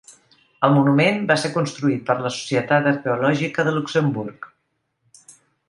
El monument va ser construït per la Societat Arqueològica de Luxemburg.